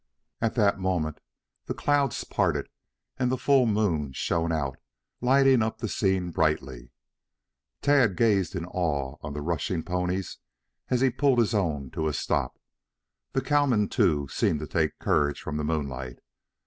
At that moment the clouds parted and the full moon shone out, lighting up the scene brightly. Tad gazed in awe on the rushing ponies as he pulled his own to a stop. The cowmen, too, seemed to take courage from the moonlight.